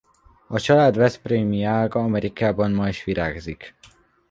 A család veszprémi ága Amerikában ma is virágzik.